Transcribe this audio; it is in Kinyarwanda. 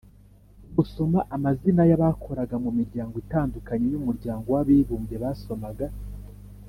Gusoma amazina y abakoraga mu miryango itandukanye y umuryango w abibumbye basomaga